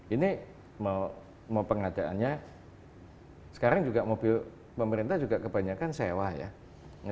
ini mau pengadaannya sekarang juga mobil pemerintah juga kebanyakan sewa ya